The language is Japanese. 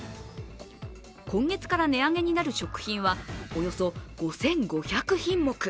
今月から値上げになる食品はおよそ５５００品目。